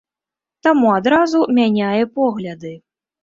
Таму адразу мяняе погляды.